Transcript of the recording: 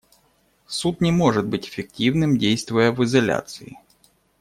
Суд не может быть эффективным, действуя в изоляции.